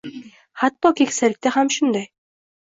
Hatto keksalikda ham shunday